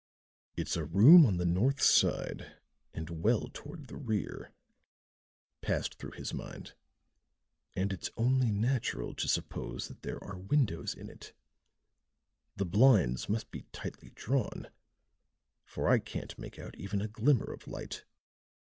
"It's a room on the north side, and well toward the rear," passed through his mind, "and it's only natural to suppose that there are windows in it. The blinds must be tightly drawn, for I can't make out even a glimmer of light."